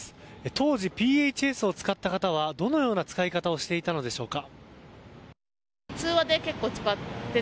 当時、ＰＨＳを使っていた方はどのような使い方をしていたのでしょうか。